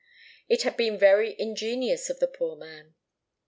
It had been very ingenious of the poor man.